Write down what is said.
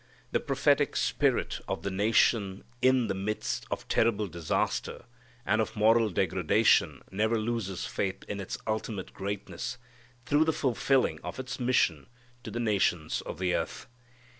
The prophetic spirit of the nation in the midst of terrible disaster and of moral degradation never loses faith in its ultimate greatness, through the fulfilling of its mission to the nations of the earth.